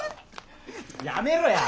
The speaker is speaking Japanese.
やめろや！